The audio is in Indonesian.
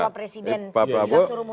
jadi kalau presiden sudah suruh mundur